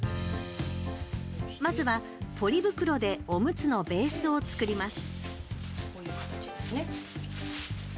まずは、ポリ袋でおむつのベースを作ります。